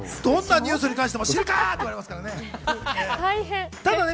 どんなニュースに対しても知るか！って言われますからね。